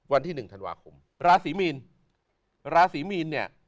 วันที่หนึ่งธันวาคมราศีมีนราศีมีนเนี่ย